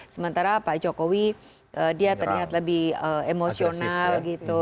sementara pak jokowi dia terlihat lebih emosional gitu